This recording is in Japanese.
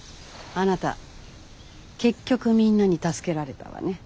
あなた結局みんなに助けられたわね。